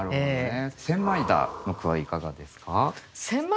「千枚田」の句はいかがですか？